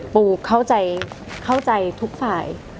ปูเข้าใจทุกฝ่าย